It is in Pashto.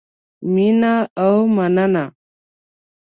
مینه او مننه